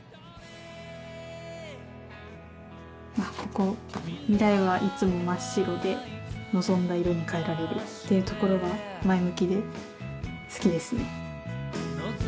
あここ「未来はいつも真っ白で望んだ色に変えられる」っていうところが前向きで好きですね。